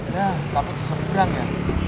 yah tapi bisa pegang ya